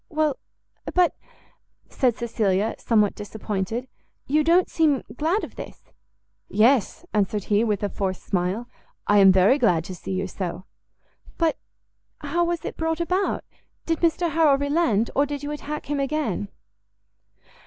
"Well, but," said Cecilia, somewhat disappointed, "you don't seem glad of this?" "Yes," answered he, with a forced smile, "I am very glad to see you so." "But how was it brought about? did Mr Harrel relent? or did you attack him again?"